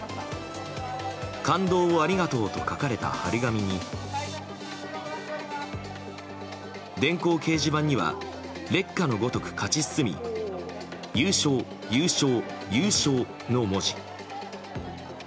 感動をありがとう」と書かれた貼り紙に電光掲示板には「烈火のごとく勝ち進み優勝！優勝！優勝！」の文字。